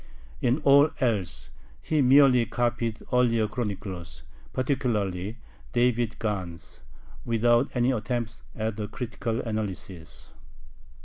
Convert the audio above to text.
In all else he merely copied earlier chroniclers, particularly David Gans, without any attempt at a critical analysis.